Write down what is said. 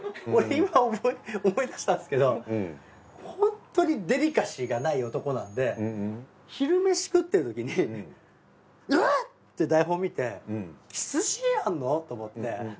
俺今思い出したんですけどホントにデリカシーがない男なんで昼めし食ってるときにんっ？って台本見てキスシーンあんの？と思って。